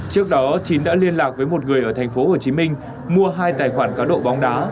trước đó chín đã liên lạc với một người ở thành phố hồ chí minh mua hai tài khoản cá độ bóng đá